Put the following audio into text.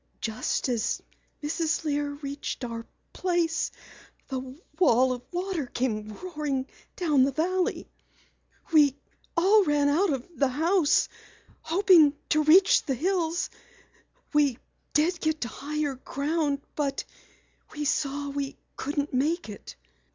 "Just as Mrs. Lear reached our place, the wall of water came roaring down the valley. We all ran out of the house, hoping to reach the hills. We did get to higher ground but we saw we couldn't make it.